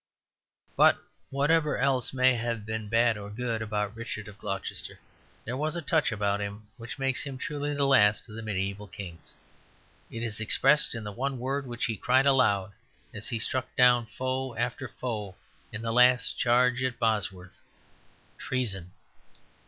But whatever else may have been bad or good about Richard of Gloucester, there was a touch about him which makes him truly the last of the mediæval kings. It is expressed in the one word which he cried aloud as he struck down foe after foe in the last charge at Bosworth treason.